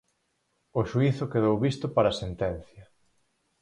O xuízo quedou visto para sentencia.